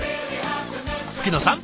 吹野さん